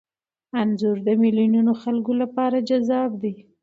انځور د میلیونونو خلکو لپاره جذاب دی.